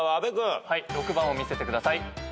６番を見せてください。